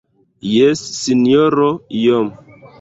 Jes, Sinjoro, iom.